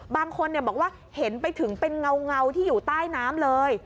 บางคนบอกว่าเห็นไปถึงเป็นเงาที่อยู่ใต้น้ำเลย